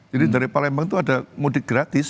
jadi dari palembang itu ada mudik gratis